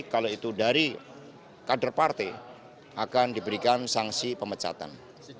kalau itu dari kader partai akan diberikan sanksi pemecatan